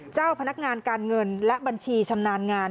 เจ้าพนักงานการเงินและบัญชีชำนาญงาน